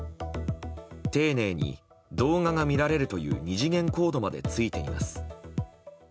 丁寧に動画が見られるという２次元コードまでついています。